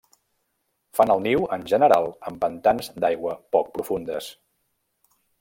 Fan el niu en general en pantans d'aigües poc profundes.